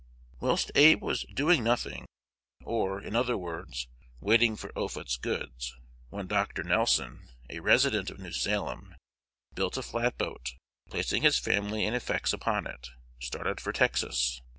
Whilst Abe was "doing nothing," or, in other words, waiting for Offutt's goods, one Dr. Nelson, a resident of New Salem, built a flatboat, and, placing his family and effects upon it, started for Texas.